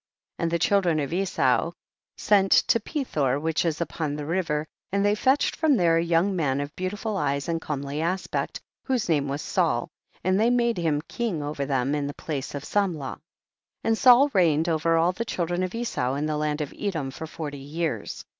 2. And the children of Esau sent to Pethor, which is upon the river, and they fetched from there a yoiuig man of beautiful eyes and comely aspect, whose name was Saul, and they made him king over them in the place of Sam I ah. 3. And Saul reigned over all the children of Esau in the land of Edom for forty years.